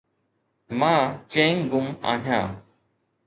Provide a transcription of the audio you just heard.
مان chewing gum آهيان.